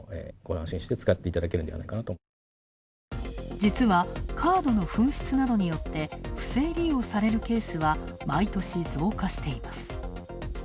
実は、カードの紛失などによって不正利用されるケースは、毎年増加しています。